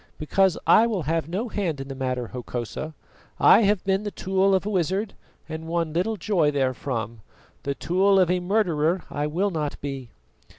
"Because I will have no hand in the matter, Hokosa. I have been the tool of a wizard, and won little joy therefrom. The tool of a murderer I will not be!"